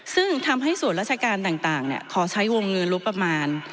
ซึ่งทำให้ส่วนราชการต่างขอใช้วงเงินงบประมาณ